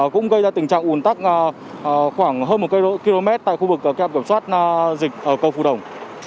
cũng gây ra tình trạng ùn tắc khoảng hơn một km tại khu vực trạm kiểm soát dịch cầu phù đồng